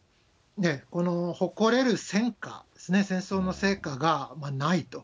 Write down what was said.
この誇れる戦果ですね、戦争の成果がないと。